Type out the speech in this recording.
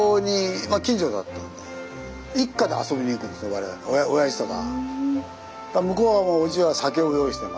我々おやじとか。